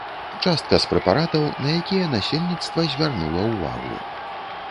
Частка з прэпаратаў, на якія насельніцтва звярнула ўвагу.